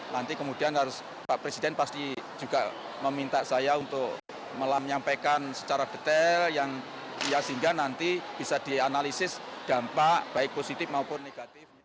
nanti kemudian harus pak presiden pasti juga meminta saya untuk menyampaikan secara detail sehingga nanti bisa dianalisis dampak baik positif maupun negatif